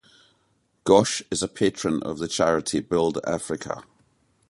Ghosh is a patron of the charity Build Africa.